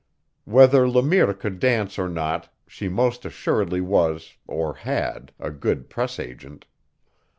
Whether Le Mire could dance or not, she most assuredly was, or had, a good press agent.